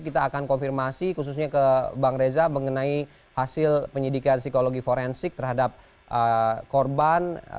kita akan konfirmasi khususnya ke bang reza mengenai hasil penyidikan psikologi forensik terhadap korban